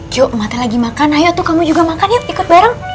cuk emak teh lagi makan ayo tuh kamu juga makan yuk ikut bareng